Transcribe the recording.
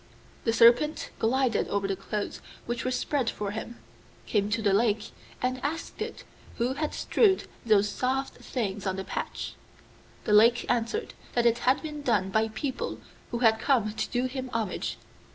The Serpent glided over the clothes which were spread for him, came to the Lake, and asked it who had strewed those soft things on the path? The Lake answered that it had been done by people who had come to do him homage.